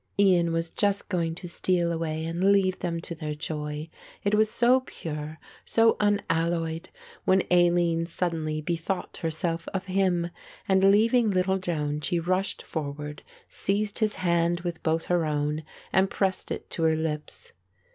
Ian was just going to steal away and leave them to their joy, it was so pure, so unalloyed, when Aline suddenly bethought herself of him and leaving little Joan she rushed forward, seized his hand with both her own and pressed it to her lips.